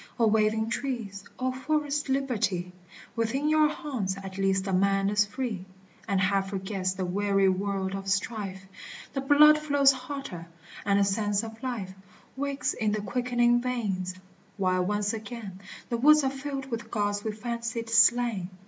O waving trees, O forest liberty ! Within your haunts at least a man is free, And half forgets the weary world of strife : The blood flows hotter, and a sense of life Wakes i' the quickening veins, while once again The woods are filled with gods we fancied slain.